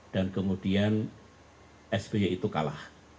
dan kemudian sby itu kalah